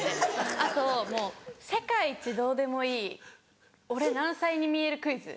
あともう世界一どうでもいい「俺何歳に見える？クイズ」。